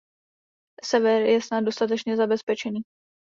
Server je snad dostatečně zabezpečený.